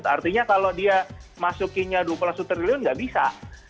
artinya kalau dia masukinnya dua belas triliun nggak bisa